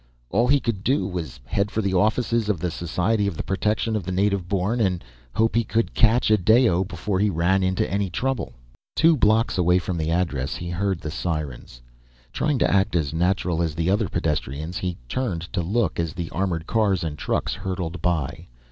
All he could do was head for the offices of the Society for the Protection of the Native Born and hope he could catch Adao before he ran into any trouble. Two blocks away from the address he heard the sirens. Trying to act as natural as the other pedestrians, he turned to look as the armored cars and trucks hurtled by.